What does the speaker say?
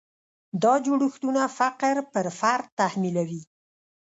دا جوړښتونه فقر پر فرد تحمیلوي.